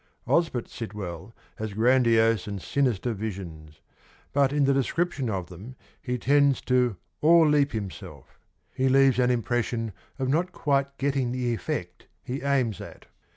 Osbert Sitwell has grandiose and sinister visions, but in the description of them he tends to 'o'erleap himself ; he leaves an impression of not quite getting the effect he aims at.